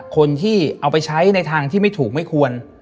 คนที่เอาไปใช้ในทางที่ไม่ถูกไม่ควร